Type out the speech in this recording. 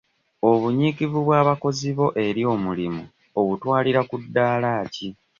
Obunyiikivu bw'abakozi bo eri omulimu obutwalira ku ddaala ki?